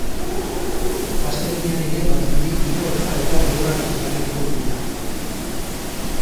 Astelehenean ere, badirudi giro hotza eta lehorrarekin jarraituko dugula.